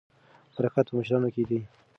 برکت په مشرانو کې دی.